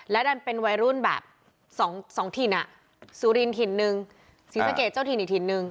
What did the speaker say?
ดันเป็นวัยรุ่นแบบสองถิ่นอ่ะสุรินถิ่นหนึ่งศรีสะเกดเจ้าถิ่นอีกถิ่นนึง